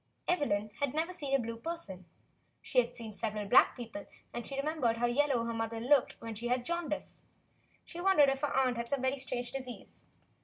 Evelyn had never seen a blue person. She had seen several black people, and she remembered how yellow her mother had looked when she had the jaundice. She wondered if her aunt had some strange disease.